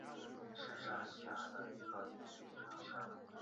是下辖的一个民族乡。